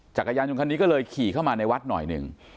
จักรยานยนต์คันนี้ก็เลยขี่เข้ามาในวัดหน่อยหนึ่ง